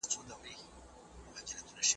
باطل تل په پټو سترګو حرکت کوی.